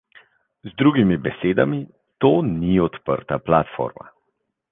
Z drugimi besedami, to ni odprta platforma.